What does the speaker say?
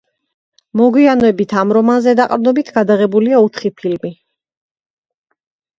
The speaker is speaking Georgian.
მოგვიანებით ამ რომანზე დაყრდნობით გადაღებულია ოთხი ფილმი.